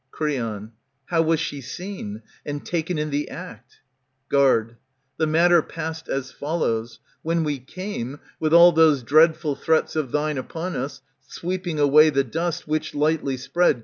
Creon, How was she seen, and taken in the act ? Guard, The matter passed as follows: — When we came, With all those dreadful threats of thine upon us, Sweeping away the dust which, lightly spread.